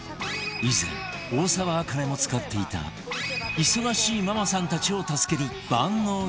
以前大沢あかねも使っていた忙しいママさんたちを助ける万能調味料